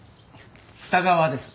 二川です。